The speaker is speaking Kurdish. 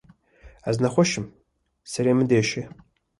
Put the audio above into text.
Ez nexweş im, serê min diêşe.